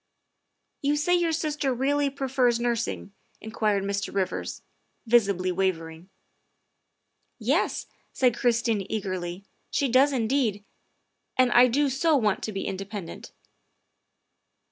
" You say your sister really prefers nursing?" in quired Mr. Rivers, visibly wavering. '' Yes, '' said Christine eagerly, '' she does indeed, and I do so want to be independent.